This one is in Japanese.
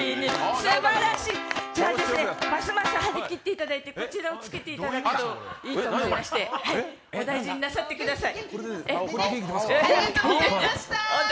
すばらしい、じゃあますます張り切っていただいてこちらをつけていただくといいと思いまして、お大事になさってください。